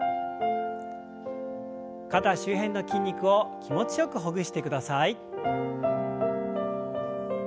肩周辺の筋肉を気持ちよくほぐしてください。